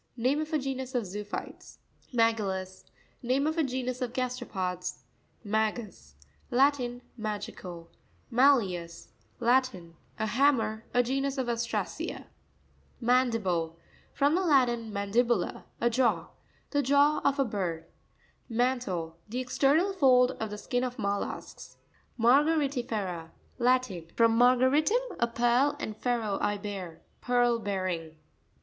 Name of a genus of zoophytes. Ma'citus.—Name of a genus of gas teropods. Ma'cus.—Latin. Ma'tiEvs.—Latin. genus of Ostracea. Ma'npiste.—From the Latin, man dibula, a jaw. The jaw of a bird. Man'tLte.—The external fold of the skin of mollusks, Ma'reariti'FerA.— Latin. From mar garitum, a pearl, and fero, I bear. Pearl bearing.